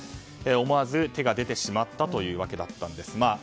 思わず手が出てしまったというわけだったんです。